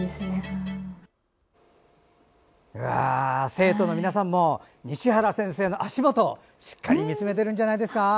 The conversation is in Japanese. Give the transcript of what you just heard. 生徒の皆さんも西原先生の足元をしっかり見つめているんじゃないですか。